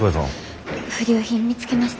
不良品見つけました。